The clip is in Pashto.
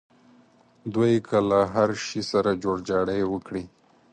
دوی که له هر شي سره جوړجاړی وکړي.